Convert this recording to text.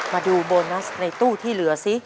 มาดูโบนัสในตู้ที่เหลือซิ